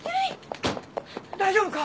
大丈夫か！？